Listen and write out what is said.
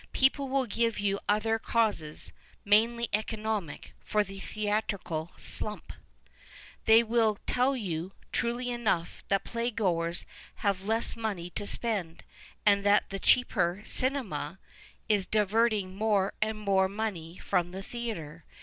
People will give you other causes, mainly economic, for the theatrical " slump." They will tell you, truly enough, that ])laygoers have less money to spend, and that the cheaper " cinema " is diverting more and more money from the theatre.